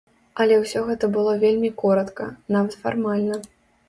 Але ўсё гэта было вельмі коратка, нават фармальна.